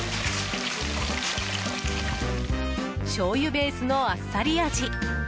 しょうゆベースのあっさり味。